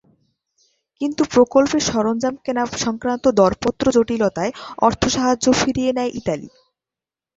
কিন্তু প্রকল্পের সরঞ্জাম কেনাসংক্রান্ত দরপত্র জটিলতায় অর্থ সাহায্য ফিরিয়ে নেয় ইতালি।